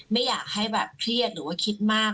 ไม่อยากให้แบบเครียดหรือว่าคิดมาก